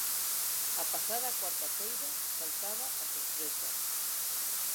A pasada cuarta feira saltaba a sorpresa.